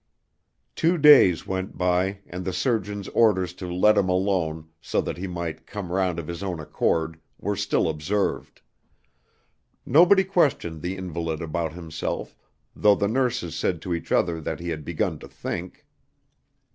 Two days went by, and the surgeon's orders to "let him alone," so that he might "come round of his own accord," were still observed. Nobody questioned the invalid about himself, though the nurses said to each other that he had "begun to think."